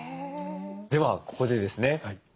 ではここでですね